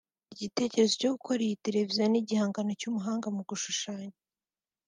Igitekerezo cyo gukora iyi televiziyo ni igihangano cy’umuhanga mu gushushanya